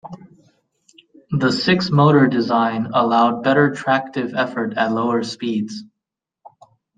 The six-motor design allowed better tractive effort at lower speeds.